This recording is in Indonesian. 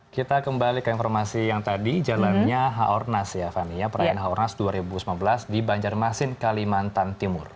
kita kembali ke informasi yang tadi jalannya haornas ya fani ya perayaan haornas dua ribu sembilan belas di banjarmasin kalimantan timur